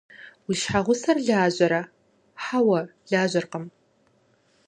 Уи щхьэгъусэр лажьэрэ? – Хьэуэ, лажьэркъым.